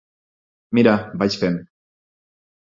Mira, vaig fent.